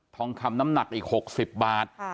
ทองคำน้ำหนักอีก๖๐บาท